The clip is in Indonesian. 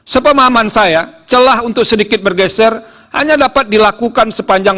sepemahaman saya celah untuk sedikit bergeser hanya dapat dilakukan sepanjang